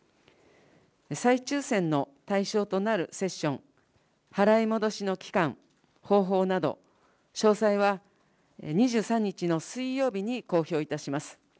再抽せんの対象となるセッション、払い戻しの期間、方法など、詳細は２３日の水曜日に公表いたします。